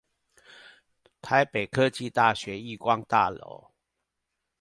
台北科技大學億光大樓